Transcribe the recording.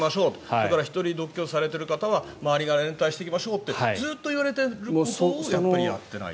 それから１人独居されている方は周りが連帯していきましょうってずっと言われていることをやっぱりやっていないと。